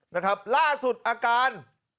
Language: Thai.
นะครับล่าสุดอาการ